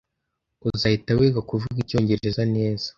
Uzahita wiga kuvuga icyongereza neza.